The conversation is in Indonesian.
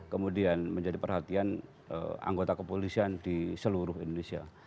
kemudian menjadi perhatian anggota kepolisian di seluruh indonesia